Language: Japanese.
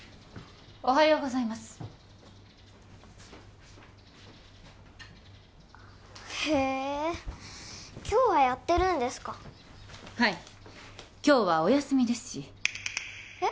おはようございますへえ今日はやってるんですかはい今日はお休みですしえっ？